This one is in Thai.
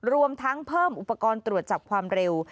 รวมทั้งเพิ่มอุปกรณ์ตรวจจับความเร็ว